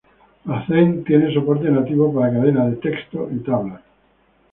Accent tiene soporte nativo para cadenas de texto y tablas.